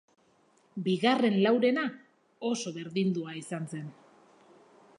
Bigarren laurena oso berdindua izan zen.